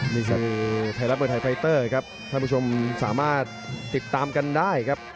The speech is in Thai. นี่คือไทยรัฐมวยไทยไฟเตอร์ครับท่านผู้ชมสามารถติดตามกันได้ครับ